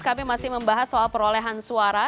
kami masih membahas soal perolehan suara